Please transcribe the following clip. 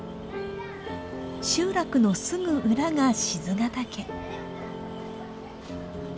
集落のすぐ裏が賤ヶ岳。